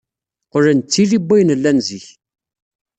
Qqlen d tili n wayen llan zik.